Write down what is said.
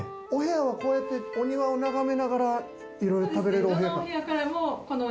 お部屋はこうやってお庭を眺めながらいろいろ食べれる？